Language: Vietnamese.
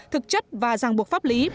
thực chất và giang buộc pháp lý